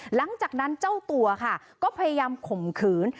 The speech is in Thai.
หลังจากนั้นเจ้าตัวค่ะก็พยายามข่มขืน